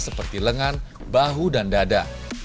seperti lengan bahu dan dada